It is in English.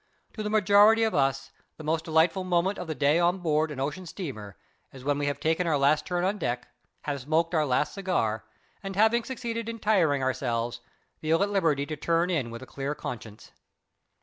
To the majority of us the most delightful moment of the day on board an ocean steamer is when we have taken our last turn on deck, have smoked our last cigar, and having succeeded in tiring ourselves, feel at liberty to turn in with a clear conscience.